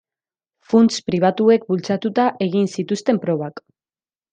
Funts pribatuek bultzatuta egin zituzten probak.